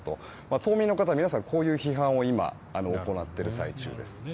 島民の方は皆さんこういう批判を今、行っている最中です。